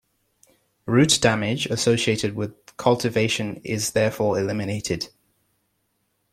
Root damage associated with cultivation is therefore eliminated.